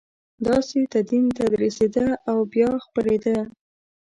داسې تدین تدریسېده او بیا خپرېده.